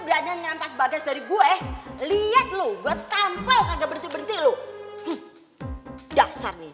berani nyampas bagas dari gue lihat lu gue tampil kagak berhenti berhenti lu dasar nih